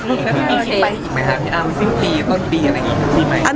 คิดไปอีกไหมคะพี่อาวิทยุตอนดีอะไรอีกมีไหม